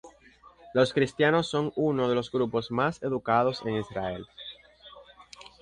Los cristianos son uno de los grupos más educados en Israel.